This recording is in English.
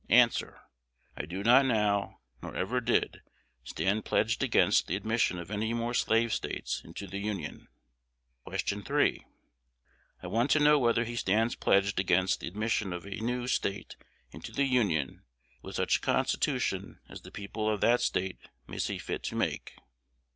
A. I do not now, nor ever did, stand pledged against the admission of any more Slave States into the Union. Q. 3. "I want to know whether he stands pledged against the admission of a new State into the Union with such a constitution as the people of that State may see fit to make."